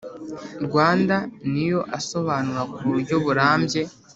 Rwanda ni yo asobanura ku buryo burambuye